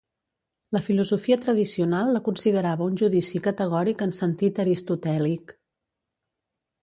La filosofia tradicional la considerava un judici categòric en sentit aristotèlic.